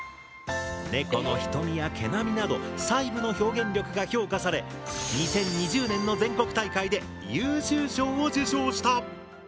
猫の瞳や毛並みなど細部の表現力が評価され２０２０年の全国大会で優秀賞を受賞した。